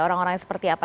orang orang seperti apa